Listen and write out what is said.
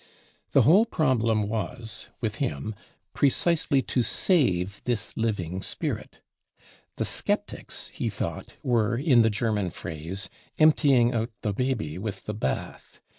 The whole problem was with him precisely to save this living spirit. The skeptics, he thought, were, in the German phrase, "emptying out the baby with the bath."